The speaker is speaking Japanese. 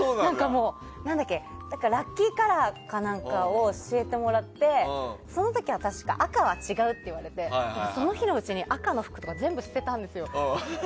ラッキーカラーか何かを教えてもらってその時は確か赤は違うって言われてその日のうちに赤の服とか全部捨てたんですよ。